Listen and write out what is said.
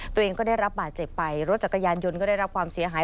ตัวเองก็ได้รับบาดเจ็บไปรถจักรยานยนต์ก็ได้รับความเสียหาย